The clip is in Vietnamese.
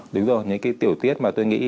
đúng rồi những cái tiểu tiết mà tôi nghĩ